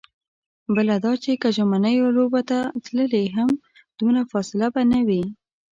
بله دا چې که ژمنیو لوبو ته تللې هم، دومره فاصله به نه وي.